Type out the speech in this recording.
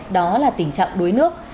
đó là tình trạng đuối nước